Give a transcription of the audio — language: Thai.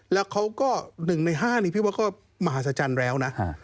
แล้วเขาก็๑ใน๕นี้พี่ว่าก็มหาศจรรย์แล้วนะ